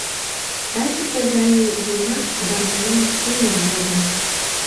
Тачысе гае йомарт, гармонян, умыр водын